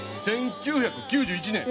１９９１年。